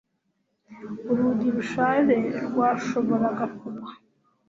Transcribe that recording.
urugi rushaje rwashoboraga kugwa